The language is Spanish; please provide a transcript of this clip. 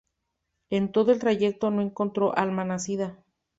En todo el trayecto no encontró alma nacida.